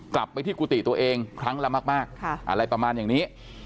กลับไปที่กุฏิตัวเองครั้งละมากอะไรประมาณอย่างนี้